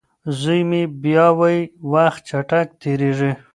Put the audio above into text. زوی مې بیا وايي وخت چټک تېریږي.